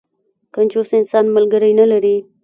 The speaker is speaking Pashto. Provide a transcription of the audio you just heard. کنجوس انسان، ملګری نه لري.